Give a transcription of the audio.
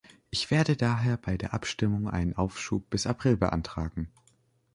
Ich werde daher bei der Abstimmung einen Aufschub bis April beantragen.